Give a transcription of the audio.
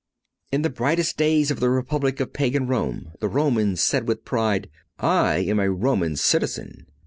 In the brightest days of the Republic of Pagan Rome the Roman said with pride: "I am a Roman citizen."